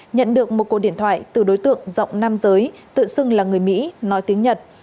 nhận được một cuộc điện thoại từ đối tượng rộng nam giới tự xưng là người mỹ nói tiếng nhật